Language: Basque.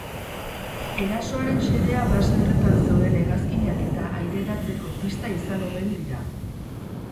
Erasoaren xedea base horretan zeuden hegazkinak eta aireratzeko pista izan omen dira.